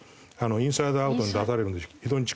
インサイドアウトに出されるので非常に近く。